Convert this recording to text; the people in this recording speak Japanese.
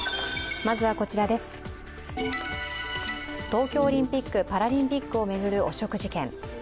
東京オリンピック・パラリンピックを巡る汚職事件。